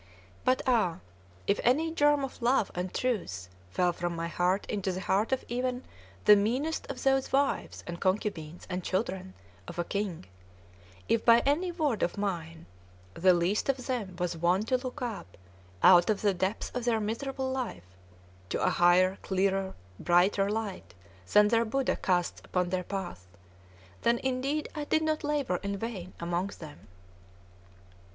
But ah! if any germ of love and truth fell from my heart into the heart of even the meanest of those wives and concubines and children of a king, if by any word of mine the least of them was won to look up, out of the depths of their miserable life, to a higher, clearer, brighter light than their Buddha casts upon their path, then indeed I did not labor in vain among them.